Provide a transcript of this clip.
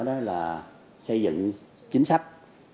đó là xây dựng chính sách